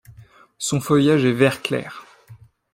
Son feuillage est vert clair.